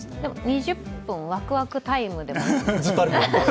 ２０分、ワクワクタイムでも。